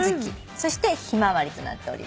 そしてヒマワリとなっております。